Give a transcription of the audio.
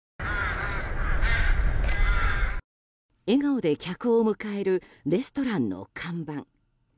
笑顔で客を迎えるレストランの看板。